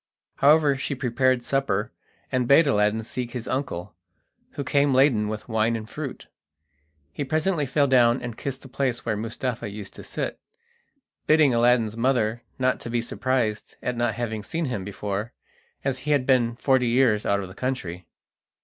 However, she prepared supper, and bade Aladdin seek his uncle, who came laden with wine and fruit. He presently fell down and kissed the place where Mustapha used to sit, bidding Aladdin's mother not to be surprised at not having seen him before, as he had been forty years out of the country.